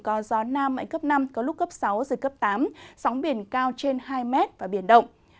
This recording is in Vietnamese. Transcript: có gió nam mạnh cấp năm có lúc cấp sáu giật cấp tám sóng biển cao trên hai mét và biển động